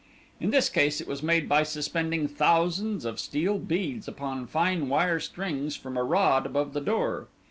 In this case it was made by suspending thousands of steel beads upon fine wire strings from a rod above the door.